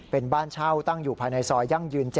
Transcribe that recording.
เป็นบ้านเช่าตั้งอยู่ภายในซอยยั่งยืน๗